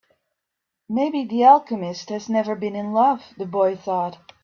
Maybe the alchemist has never been in love, the boy thought.